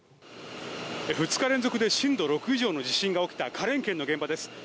２日連続で震度６以上の地震が起きた花蓮県の現場です。